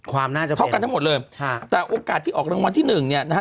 น่าจะเท่ากันทั้งหมดเลยค่ะแต่โอกาสที่ออกรางวัลที่หนึ่งเนี่ยนะฮะ